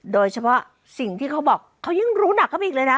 โดยเฉพาะสิ่งที่เขาบอกเขายิ่งรู้หนักเข้าไปอีกเลยนะ